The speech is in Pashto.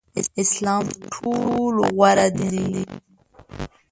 اسلام تر ټولو غوره دین دی